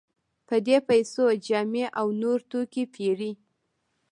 په دې پیسو جامې او نور توکي پېري.